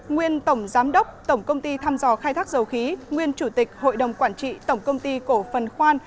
nguyên tổng giám đốc tổng công ty thăm dò khai thác dầu khí nguyên chủ tịch hội đồng quản trị tổng công ty cổ phần khoan